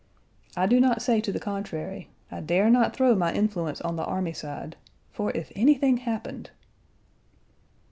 I do not say to the contrary; I dare not throw my influence on the army side, for if anything happened!